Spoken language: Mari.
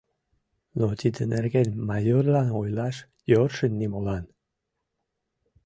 Но тидын нерген майорлан ойлаш йӧршын нимолан.